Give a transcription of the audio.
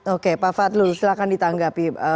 oke pak fadlu silahkan ditanggapi